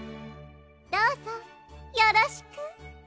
どうぞよろしく。